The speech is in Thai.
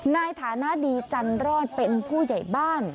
ในฐานะดีจันรอดเป็นผู้ใหญ่บ้าน